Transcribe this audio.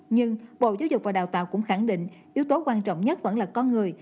nhưng bộ giáo dục và đào tạo cũng khẳng định yếu tố quan trọng nhất vẫn là con người